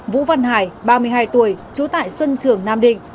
vũ văn hải ba mươi hai tuổi trú tại xuân trường nam định